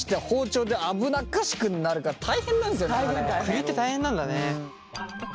栗って大変なんだね。